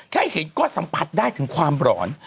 แค่เห็นก็สัมผัสได้ถึงความหลอน